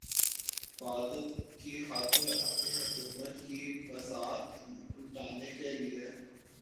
فادات کی خاطر اپنی حکومتوں کی بساط الٹنے کیلئے